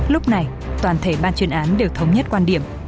lúc này toàn thể ban chuyên án đều thống nhất quan điểm